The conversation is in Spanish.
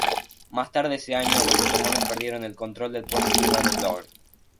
Más tarde ese año, los otomanos perdieron el control del puerto central de Vlorë.